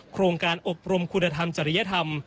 โครงการอบรมคุณธรรมจริยธรรม